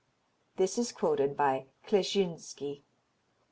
This is quoted by Kleczynski.